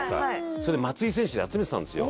それ松井選手で集めてたんですよ